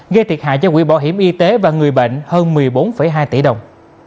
gây thiệt hại cho quỹ bảo hiểm y tế và người bệnh hơn một mươi bốn hai tỷ đồng